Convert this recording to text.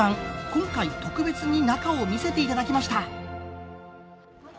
今回特別に中を見せて頂きました。